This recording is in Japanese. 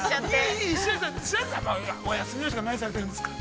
◆いい、いい、白石さん、お休みの日とか、何されてるんですか。